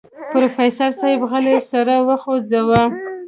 پروفيسر صيب غلی سر وخوځوه.